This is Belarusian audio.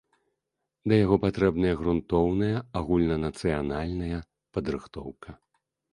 Да яго патрэбная грунтоўная агульнанацыянальная падрыхтоўка.